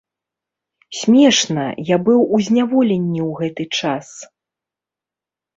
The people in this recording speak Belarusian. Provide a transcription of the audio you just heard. Смешна, я быў у зняволенні ў гэты час!